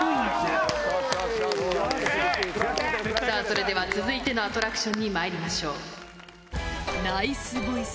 さぁそれでは続いてのアトラクションにまいりましょう。